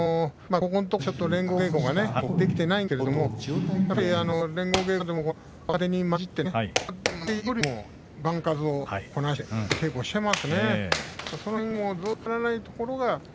ここのところ連合稽古ができていないんですけれど連合稽古の中でも若手に交じっていや、若手よりも番数をこなして稽古をしていますね。